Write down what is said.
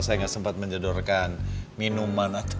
saya nggak sempat menjodorkan minuman